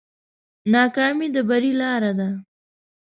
ناکامي د بری لاره ده.